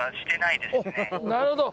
なるほど。